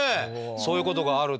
そういうことがあるという。